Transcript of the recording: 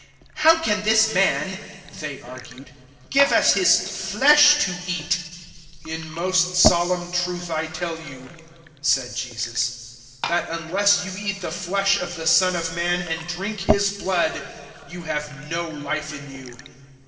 "How can this man," they argued, "give us his flesh to eat?" 006:053 "In most solemn truth I tell you," said Jesus, "that unless you eat the flesh of the Son of Man and drink His blood, you have no Life in you.